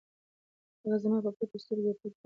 هغه زما په پټو سترګو او پټ درد نه پوهېږي.